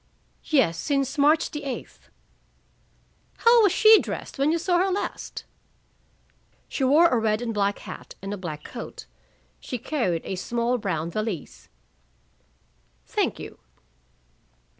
"Yes. Since March the eighth." "How was she dressed when you saw her last?" "She wore a red and black hat and a black coat. She carried a small brown valise." "Thank you."